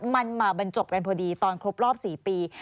มันมาบรรจบกันพอดีตอนครบรอบ๔ปี